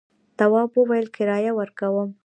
تواب وویل کرايه ورکوم.